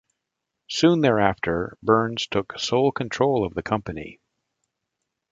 Soon thereafter, Berns took sole control of the company.